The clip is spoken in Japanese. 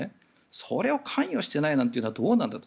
それを関与してないなんて言うのはどうなんだと。